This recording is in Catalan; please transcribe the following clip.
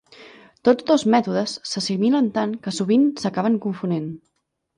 Tots dos mètodes s'assimilen tant que sovint s'acaben confonent.